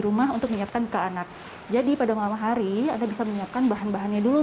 rumah untuk menyiapkan buka anak jadi pada malam hari anda bisa menyiapkan bahan bahannya dulu